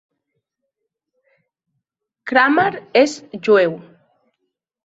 Kramer és jueu.